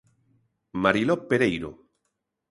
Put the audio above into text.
Mariló Pereiro.